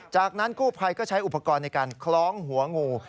จากนั้นกู้ภัยก็ใช้อุปกรณ์ในการคล้องหัวงู